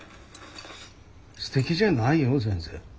すてきじゃないよ全然。